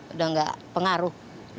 udah gak pengaruh